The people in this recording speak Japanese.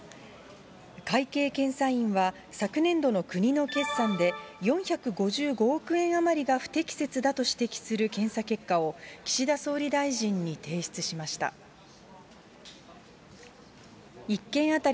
会計検査院は、昨年度の国の決算で、４５５億円余りが不適切だと指摘する検査結果を、岸田総理大臣に提出しました。